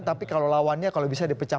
tapi kalau lawannya kalau bisa dipecah